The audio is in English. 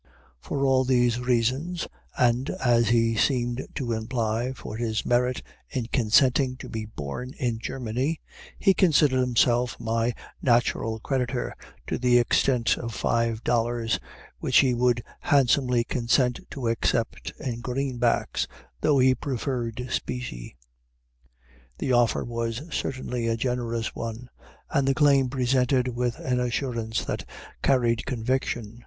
For all these reasons, and, as he seemed to imply, for his merit in consenting to be born in Germany, he considered himself my natural creditor to the extent of five dollars, which he would handsomely consent to accept in greenbacks, though he preferred specie. The offer was certainly a generous one, and the claim presented with an assurance that carried conviction.